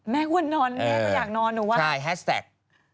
แม่ควรนอนแม่ก็อยากนอนหรือวะใช่แฮสแท็ก